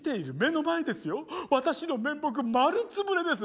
私の面目丸潰れです。